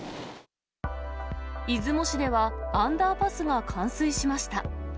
出雲市ではアンダーパスが冠水しました。